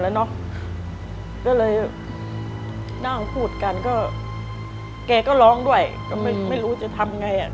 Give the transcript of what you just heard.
แล้วก็เลยนั่งพูดกันก็แกก็ร้องด้วยก็ไม่รู้จะทำไงอ่ะ